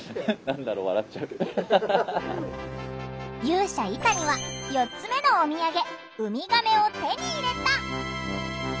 勇者イタニは４つ目のおみやげウミガメを手に入れた。